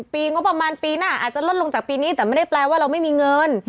ปีงบประมาณปีหน้าอาจจะลดลงจากปีนี้แต่ไม่ได้แปลว่าเราไม่มีเงิน